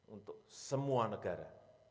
untuk semua negara